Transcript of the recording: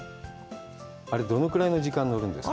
あれ、どのくらいの時間、乗るんですか。